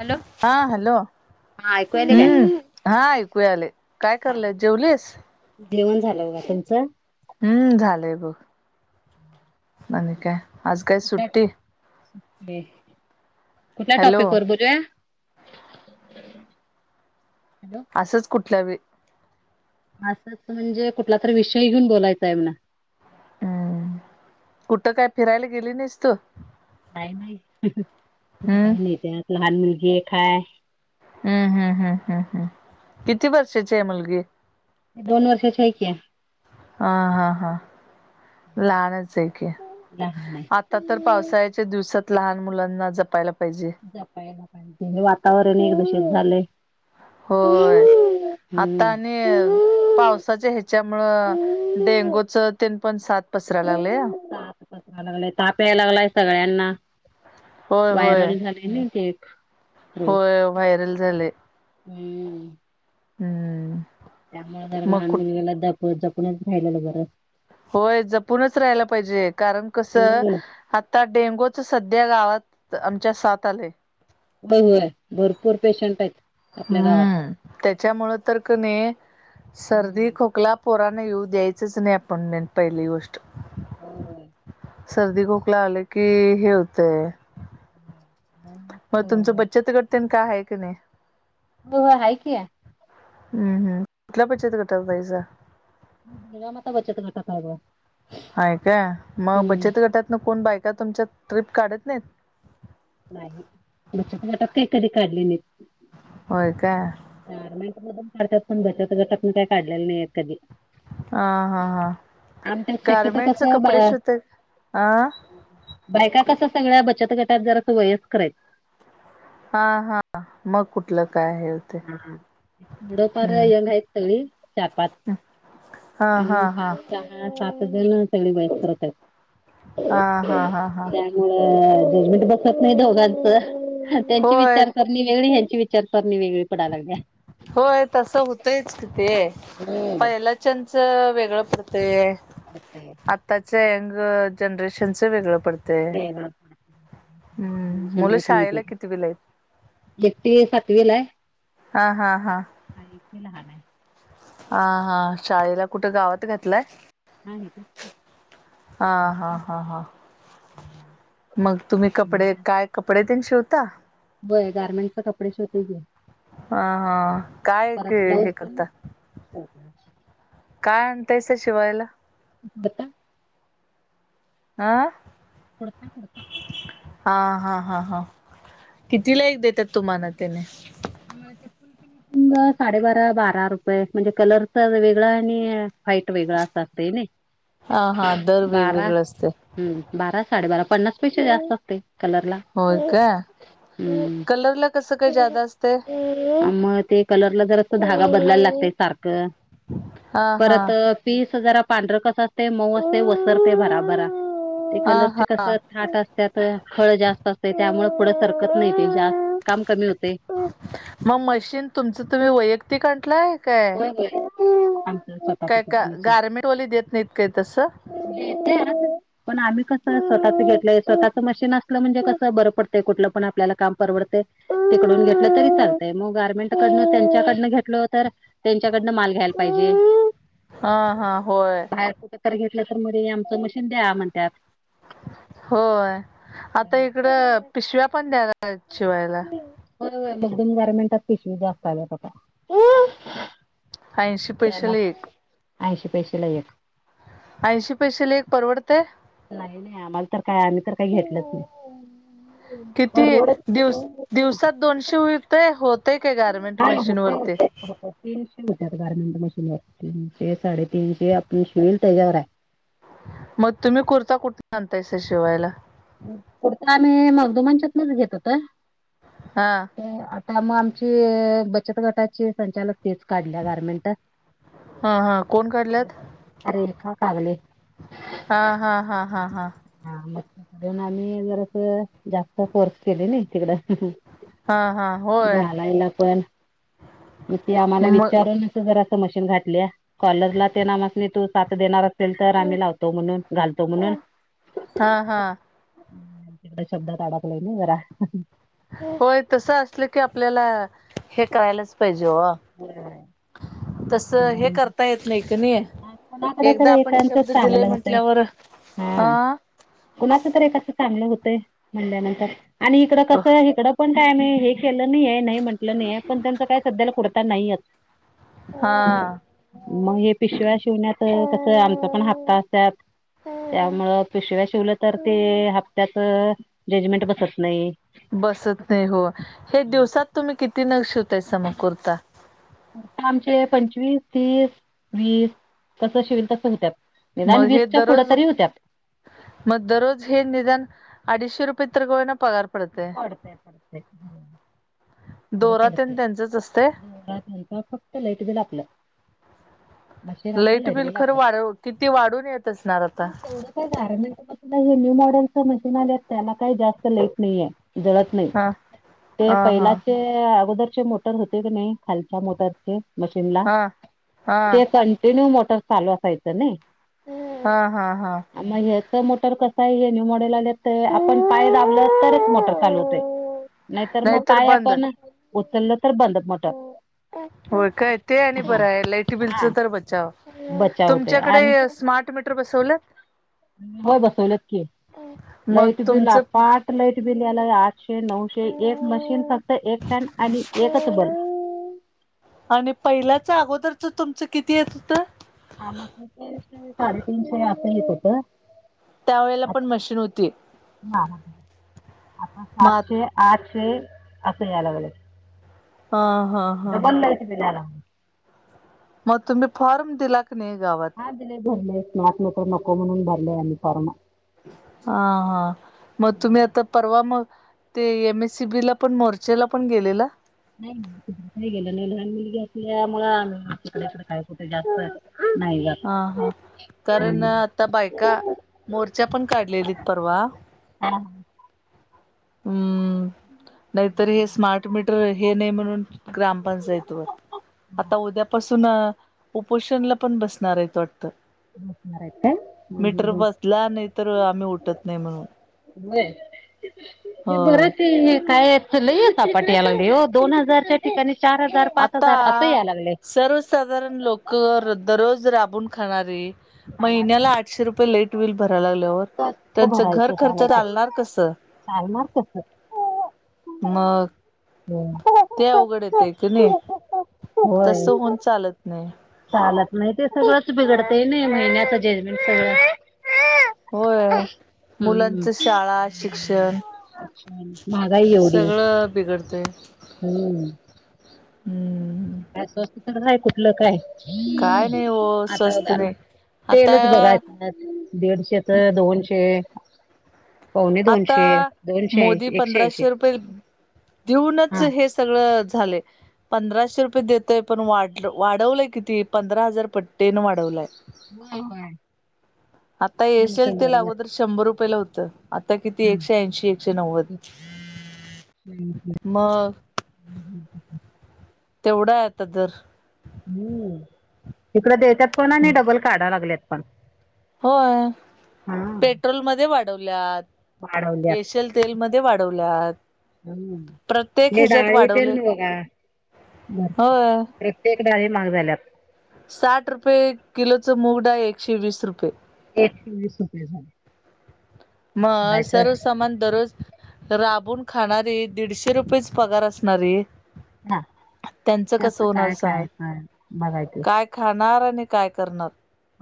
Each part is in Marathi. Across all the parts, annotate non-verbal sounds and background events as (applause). हॅलो हा हॅलो. हा ऐकू यायले काय हम्म हा ऐकूया आले. काय करलय जेवलेस? जेवण झालं बघा तुमचं? हम्म झालंय बघ. आणि काय? आज काय सुट्टी? कुठल्या हॅलो टॉपिक वर बोलूया! हॅलो असंच कुठल्या. असंच म्हणजे कुठला तर विषय घेऊन बोलायचा आहे म्हणा! हम्म. कुठं काय फिरायला गेली नाहीस तु? नाही नाही कुठ हम्म काही नाही त्यात लहान मुलगी एक हाय. हम्म हम्म हम्म हम्म हम्म किती वर्षाची आहे मुलगी? दोन वर्षाची हाय की. हा हा हां. लहानचे की लहान आहे आत आता तर पावसाळ्याच्या दिवसात लहान मुलांना जपायला पाहिजे. जपायला पाहिजे. हे वातावरण एक दूषित झालंय. होय आता हम्म आणि पावसाच्या ह्याच्यामुळं डेंगूच तीन पॉन सात पसरा लागले. गय ताप यायला लागलाय सगळ्यांना. होय होय व्हायरल झालेय ना केक. होय व्हायरल झाले. हम्. (inaudible) त्यामुळे जरा मग लहान कुठ मुलगाला ज जपणच रायलेलं बरं. होय जपूनच राहाला पाहिजे कारण कसं आ हम्म आता डेंगूच सध्या गावात आमच्या सात आलंय. हो होय भरपूर पेशंट आहेत. आपल्या गावात. हम्म त्याच्यामुळ तर क नाही हम्म सर्दी, खोकला. पुराण य्यू द्यायचंच नाही आपण पहिली गोष्ट. होय. सर्दी खोकला आले की हे होतय. ह (inaudible) मग तुमचं बच्चत गट तेन का आहे की नाही? हो हो आहे कीया. हम्म हम् कुठल्या बचत गटात ऐसा? जिजामात बचत गटात हाय बघा. हाय काय, मग बचत गटात ना कोण बायका तुमच्या ट्रिप काढत नाहीत? नाही. बचत गटात काही कधी काढले नाही. होय का? चार मनटून काढतात. पण बचात गटात काही काढलेले नाहीत कधी. ह हा हा आमच्यात शक्यतो गारमेंटचे कसं बा कपडे शिते अं? बायका कस सगळ्या बचत गटात जरास वयस्कर येत. हा हा मग कुठलं काय हे होते हं हा थोडं फार हम्म यंग हायत. तरी चार पाच हा हा आणि हा त्यामुळ सात जरी सगळी वयस्करच हायत. आ हा हा हा व्हय जजमेंट बसत नाय घराच त्याचे होय विचार कर नी वेगळी ह्यांची विचार सरणी वेगळी पडाय लागलीये. होय तसं होतइच की ते हम्म पहिलाच्यांच वेगळं पडतय. पडतंय. आत्ताच्या यंग जनरेशनचं वेगळं पड ते वेगळं पडतंय. हम्म कॉम्बिनेशन मुलं शाळेला कितीवीला येत? एक ती सातवीला हाय हा हा हा हाय एक ती लहान हाय. आ हा शाळेला कुठ गावात घातलाय? हा हा हा हा हा. मग तुम्ही कपडे काय कपडे तेनं शिवता? व्हय गार्मेंट च कपडे शिवते की हा हा काय परत के ब्लाऊज हे पण करता? (unintelligible) काय आणतायसा शिवायला? बता आ कुडता कुडता हा हा हा हा कितीला एक देतात तुम्हाला त्याने आम्हाला त्यातुन मं साडेबारा बारा रुपये म्हणजे कलरचा वेगळा आणि व्हाईट वेगळा असा लय नाई हा हा दर बारा वेगवेगळं असते हम् बारा साडेबारा पन्नास पेक्षा जास्त असतय कलरला होय का कलरला कसं काय जादा असतय. अ म ते कलरला जरास धागा बदलायला लागतय सारखं हा हा परत पीस जरा पांढरं कस असतय मऊ असतय वसरतय भराभरा ते हा कलरचे कस हा थाट अस त्यातखळ जास्त असतय त्यामुळ पुढं सरकत नाय ते जास्त काम कमी होतय. म मशीन तुमच तुम्ही वैयक्तिक आणतलाय काय? आमच स्व काय का गार्मेंटवाले देत नाहीत काय तसं देत्यात पण आम्ही कसं स्वतःच घेतलंय स्वतःच मशीन असलं म्हणजे कसं बरं पडतय कुठलं पण आपल्याला काम परवडते. तिकडून घेतलं तरी चालतय मग गार्मेंट कडनं त्यांच्याकडनं घेतल तर त्यांच्याकडनं माल घ्यायल पाहिजे. हां हां होय. बाहेर कुठं तरी घेतलं तर मधे आमचं मशीन द्या म्हणत्यात होय आता हम्म. इकडं पिशव्या पण द्यायला (inaudible) शिवायला. बरोबर नवीन गारमेंटात पिशवी जास्त आल्यात आता ऐंशी त्यांना पैशाला एक ऐंशी पैशाला एक ऐंशी पैशाला एक परवडतय? नाही नाय आम्हाला तर काय आम्ही तर काय घेतल्यात नाय. किती दिव दिवसात दोनशे होईल ते होतय काय गारमेंट. मशीन होतंय वरती. होतंय होतंय तीनशे होतात गार्मेंट मशीनवर. तीनशे साडेतीनशे आपण शिवू त्याच्यावर आहे. मग तुम्ही कुर्ता कुठून आणतायसा. शिवायला. कुर्ता आम्ही. मगदुमांच्यातून घेत होत. हां. आता मग आमची. बचत गटाचे संचालक. तिच काढल्या गारमेंट. हा हा कोण काढल्यात रेखा कागले. हा, हा, हा, हा, हा. हा म तेन आम्ही जरस. जास्त फोर्स केली नाही तिकड. हा हा होय घालायला पण. म ते आम्हाला मग विचारून घरांच मशीन घातल् या. कॉलरला ते आम्हासनी तू साथ देणार असेल तर. आम्ही लावतो म्हणून. घालतो म्हणून. हा. हा. शब्दात अडकलाय ना. जरा. होय तस असलं की, आपल्याला हे करायलाच पाहिजे ओ. हला ते हे बघून घेऊ. करता नाही येत त नाही ये. कोणाकड तर, एकचच चांगलं होतय. म्हटल्यावर हा. कुणाचं तरी एकाचं चांगलं होतय म्हणल्यानंतर. आणि इकडं कसं आहे. इकडं पण काय आम्ही हे केलं नाहीये. नाही म्हटलं नाहीेये. पण त्यांच काय. सध्याला कुरता नाहीयेत. हा. मग हे पिशव्या शिवण्यात तस. आमचा पण हप्ता असत्यात. त्यामुळं पिशव्या शिवल्या तर. ते हप्त्याच जजमेंट बसत नाही. बसत नाही. हो. ते दिवसात तुम्ही किती नग शिवतायसा. मग कुर्ता. आता आमचे पंचवीस, तीस, वीस. तस शिवील तसं होत्यात. निदान मग हे वीसच्या पुढं दररोज तरी होत्यात. मग दररोज हे निदान. अडीचशे रुपये तरी का होईना पगार पडतय. पडतेय पडतेय. तेवड दोरा तेन पडते. त्यांचंच असतय. फक्त लाईट बिल आपलं. मशीन आपलं लाईट बिल खरं आपलं. वाढ, किती वाढून येत असणार आता. गर्मेंट मध्ये हे न्यू मॉडेलच मशीन आले. त्याला काही जास्त लाईट नाहीये. जळत नाही. हा ते हा हा पहिलाचे अगोदरचे मोटर होते का नाही. खालच्या मोटरचे. मशीनला. हा हा ते कंटिन्यू मोटर चालू असायचं ना. हा, हा, हा. मग ह्याच मोटर कसाये. हे न्यू मॉडेल आले तर आपण पाय दाबलं तरच मोटर चालु होतय. नाहीतर मग पाय आपण उचललं तर. बंद मोटर. होय काय. ते आणि हा बराय. लाईट बिलच हा तर बचाव. बचाव होतय आणि तुमच्याकडे स्मार्ट म मीटर बसवलं. होय बसवलत की. मग लाईट बिल तुमचं आता लाईट बिल यायलय. आठशे, नऊशे. एक मशीन फक्त. एक फॅन आणि एकच बल्ब. आणि पहिल्याच अगोदरच तुमचं किती येतं होत. हा म ते. साडेतीनशे अस येत होत. त्यावेेळेला हा. पण मशीन होती. ता म आ सातशे आठशे असं यायला लागलय. ह, ह, ह, ह. झाला. मग तुम्ही फॉर्म दिला की नाही गावात. हा दिलय. भरलेय स्मार्ट मीटर नको म्हणून. भरलय आम्ही फॉर्म. हा हा. मग तुम्ही आता परवा मग ते एम एस सी बीला पण मोर्चेला पण गेलेला. नाही त काही गेलं नाही लहान मुलगी असल्यामुळे आ्ही तिकडेस काय कुठं जास्त हा नाही. जात हा हा कारण हम्म. आता बायका मोर्च्या पण काढलेलीत परवा हां. हम्म नाहीतर हे स्मार्ट मीटर हे नाही म्हणून ग्रामपंचायतीवर आता उद्यापासून उपोषणला पण बसणार आहेत वाटतं. बसणार आहेत काय हम्म, मीटर हम्म, हम्म. बसला नाही तरर आम्ही उठत नाही म्हणून ब हे होय बरच आहे काय? ल सपाटी या लागली हो दोन हजारच्या ठिकाणी चार हजार पाच हजार असं या लागले. साधारण लोक दररोज राबून खाणारे सालार महिन्याला आठशे रुपये लेट बिल भरायला लागल्यावर कसं त्यांचं घर खर्च चालणार कसं चाल नार कस मग हम्म. ते अवघड येते. कुणी नाही होय तस होऊन चालत नाही. चालत नाही ते सगळंच बिघडतं नाही महिन्याच जजमेंट सगळं. होय हम्म. मुलांच शाळा शिक्षण महागाई एवढी सगळं बिघडतय हम्म. हम्म. स्वस्त काय कुठलं काय काय नाही हो स्वस्त आता नाही तेलच आता बघायचं दीडशे तर दोनशे पावणे आता दोनशे दोनशे मोदी ऐंशी एकशे ऐंशी पंधराशे रुपये देऊनच हा हे सगळ झाले. पंधराशे रुपये देतोय पण वाढ वाढवलंय किती पंधरा हजार पट्टेन वाढवलाय. हो होय. आता ये असेल एकदम ते बरोबर अगोदर शंभर रुपयाेला होतं. आता किती हा एकशे ऐंशी एकशे नव्वद एकशे ऐंशी मग तेवढा आहेता तरर हम्म तिकड द्यायच्याात पण आणि डबल काढा लागल्यात पण. होय हा पेट्रोल मध्ये वाढवल्यात वाढवल्यात येशल तेल मध्ये वाढवल्या हम् म डाळीेतेल बघा भर हो. प्रत्येक डाळी माग झाल्यात साठ रुपये किलोचं मुगडाळ एकशे वीस रुपये. एकशे वीस रुपये झाले. मग करायचं सर्व सामान दररोज राबून खाणारी दीडशे रुपयेच पगार असणारी हा त्यांचं कसं होणार काय सांगत खायचं बघायचं काय? खाणार आणि काय करणार?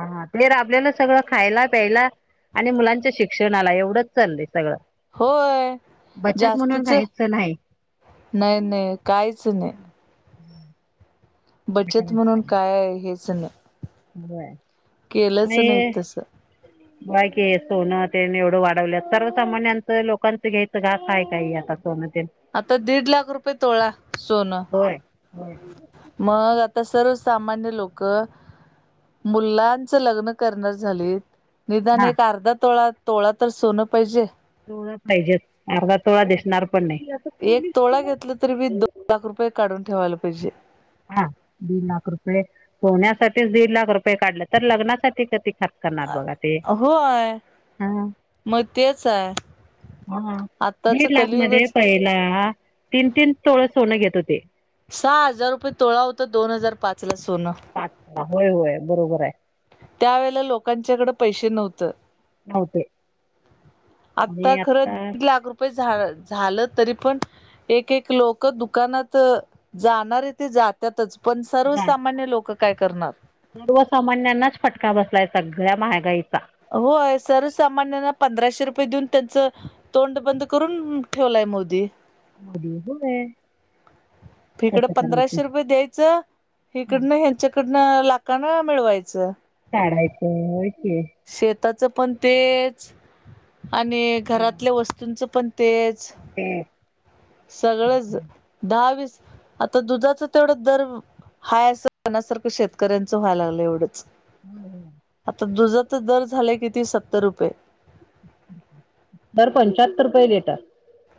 हा राबलेलं सगळं खायला प्यायला आणि मुलांच्या शिक्षणाला एवढंच चालय सगळं. होय बचत म्हणून जास्तीच काहीच नाही नही नही काहीच नाही. हम्म. बचत म्हणून काय आहे हेच नाही बर केलंच नाही तस ह (inaudible) बाय कि सोनं तेन एवढं वाढवल्यात सर्वसामान्यांच लोकांच घयचं घास आहे काय हे आता सोनं ते आता दीड लाख रुपये तोळा सोनं होय होय मंग आतां सर्व सामान्यं लोकं मुलांचं लग्नं करणारं झालीतं निदांन हा एक अर्धा तोळां तोळां तरं सोनं पाहिजे. तोळा चं पाहिजेतं अर्धा तोळां दिसणारं पणं नाहीं. एक तोळां घेतलं तरी मी पांच लाख रुपये काढूंन ठेवायंला पाहिजे. हां दीड लाखं रुपये पोहण्यांसाठीचं दीड लाखं रुपये. रे काढलं तरं लग्नांसाठी कधीं खर्च करणारं बघा ते हं मंग ‌तेचं आयं. हां दीड लाखं मध्यें पहिलां तीनं तीनं सोळं सोनं घेतं होतें. सहां हजारं रुपये तोळां होत दोन हजांर पांच लां सोनं. अच्छा होयं होयं बरोबर आहे. त्यांवेळेलां लोकांच्यांकडं पैसे नव्हतं. हो ते, आतां खरं दीड लांख रुपये झा झालं तरी पणं एक एक लोकं दुकानांत जाणांरे ते जातं त्यांतचं पणं सर्वसामान्यं लोकं कायं करणारं सर्वसामान्यांनाचं फटकां बसवांईचां सगळ्यां महागांईचां होयं सर्वसामान्यांना पंधराशे रुपये देऊंन त्यांचं तोंड बंद करूंन ठेवलायं मोदीं म्हणजे काय (unintelligible) ईकडं पंधराशे रुपये द्यायचं, हा, ईकडनं ह्यांच्याकडनं लाखांन मिळवां. यचं. काढायचं व्हंय कीं शेताचं पणं तेचं आणि घरातल्यां वस्तूंचं पणं तेचं हम्मं सगळंच दहां वीस आतां दुधांचा तेवढां दरं हांय असंण्यांसारखं शेतकऱ्यांचं व्हांयलां लागलंय एवढंच आतां दुधांचा दरं झालायं आहे किं सत्तर रुपये. तर पंच्याहत्तर रुपये देतांत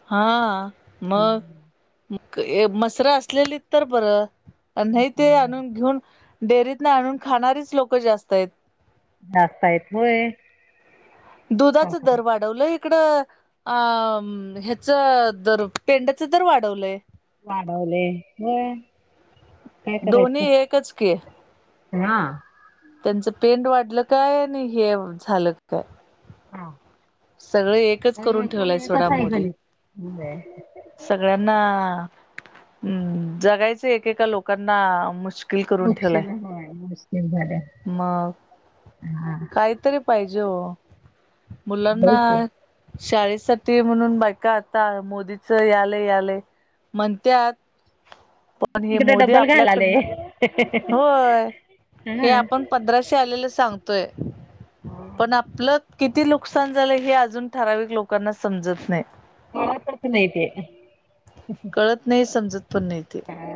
हां मंग मसरं असलेली तरं बरं. नाहीं ते आंणून घेऊनं डेअरीतं नं आंणून खांणारीचं लोकं जास्तं आहेत. डास्तां आयेतं होयं. दुधांचा दरं वाढतं वाढवलं इकडं अं ह्यांचं दरं पेंड्यांच दरं वाढवलंय. वाढवलयं व्हंय कायं दोन्ही करायचं एकच की हां त्यांचं पेंड वाढलं कायं? आणि हे झालं कायं हंम सगळें एकचं करूंन ठेवलंय सोंडा एकच आहे मोदींन. गणित होय सगळ्यांना जगायचं एकेकां लोकांना मुश कीलं करूंन मुश्किल ठेवलायं. होय मुश्किल झालं मंग हा कांहीतरी पाहिजे हो होय मुलांना. की शाळेसांठी म्हणूंन बायकां आतां मोदींचं हे यालंय यां आलयं म्हणत्यांत पनं पणं हे इकडे मोदीं डब्बल घालाले आपल्याकडं नं होय हा हे आपणं पंधराशे आलेलं सांगतोयं पणं आपलं किती लोकं नुकसांन झालं हे अजूंन ठराविक लोकांनां समजतं नाहीं. कळतच नाही ते कळतं नाहीं, समजतं पणं नाहीं ते. हा